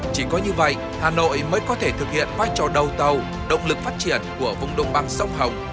chỉ có như vậy hà nội mới có thể thực hiện vai trò đầu tàu động lực phát triển của vùng đồng bằng sông hồng